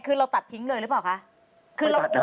คือเราตัดทิ้งเลยหรือเปล่าคะ